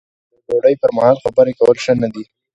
د ډوډۍ پر مهال خبرې کول ښه نه دي.